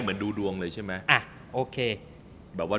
เหมือนดูดวงเลยใช่มั้ย